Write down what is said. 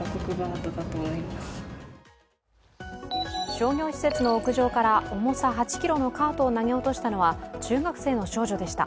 商業施設の屋上から重さ８ｋｇのカートを投げ落としたのは中学生の少女でした。